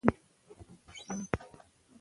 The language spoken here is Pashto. کرکټ یو نړۍوال پیوستون رامنځ ته کوي.